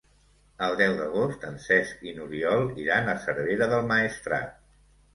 El deu d'agost en Cesc i n'Oriol iran a Cervera del Maestrat.